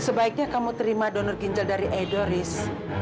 riz sebaiknya kamu terima donor ginjal dari edo riz